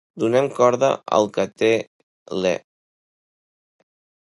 Donem corda al que-te-l'è!